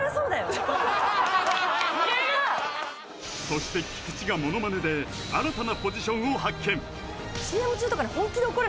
そして菊地がものまねで新たなポジションを発見！